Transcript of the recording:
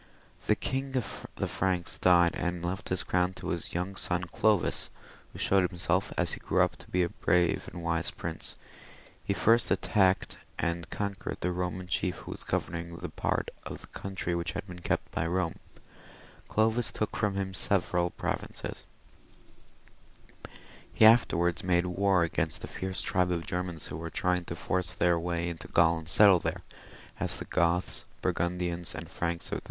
The King of the Franks died and left his crown to his young son Clovis, who showed himself, as he grew up, to be a wise and brave prince. He first attacked and con quered the Roman chief who was governing the part of the country which had been kept by Eome. Clovis took from him several provinces, which was the name given to divisions of the country like our English counties. He afterwards made war against a fierce tribe of Germans who were trjdng to force their way into Gaul and settle there, as the Goths, Burgundians, and Franks had done.